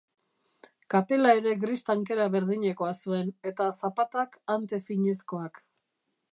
Kapela ere gris tankera berdinekoa zuen, eta zapatak ante finezkoak.